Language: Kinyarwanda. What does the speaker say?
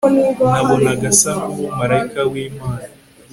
nabonaga asa n'umumalayika w'imana